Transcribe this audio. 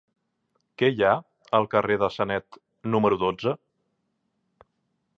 Què hi ha al carrer de Sanet número dotze?